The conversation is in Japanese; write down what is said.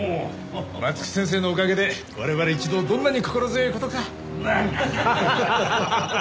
松木先生のおかげで我々一同どんなに心強いことか。